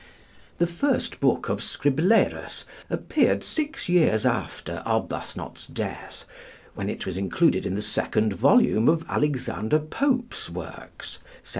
The first book of 'Scriblerus' appeared six years after Arbuthnot's death, when it was included in the second volume of Alexander Pope's works (1741).